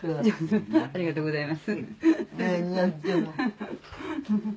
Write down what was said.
ありがとうございます。